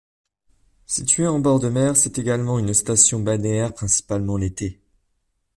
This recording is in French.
Située en bord de mer, c'est également une station balnéaire, principalement l'été.